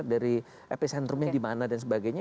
dari epicentrumnya dimana dan sebagainya